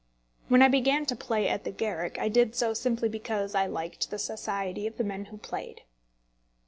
When I began to play at the Garrick, I did so simply because I liked the society of the men who played.